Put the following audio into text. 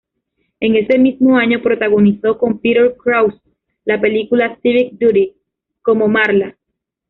En ese mismo año protagonizó con Peter Krause la película "Civic Duty", como Marla.